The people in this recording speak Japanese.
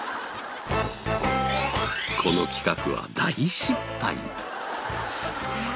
この企画は大失敗。